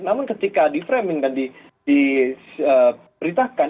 namun ketika di framing dan diberitakan